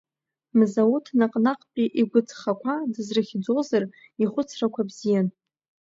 Мзауҭ наҟ-наҟтәи игәыҵхақәа дызрыхьӡозар, ихәыцрақәа бзиан.